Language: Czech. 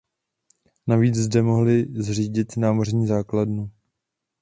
Navíc zde mohly zřídit námořní základnu.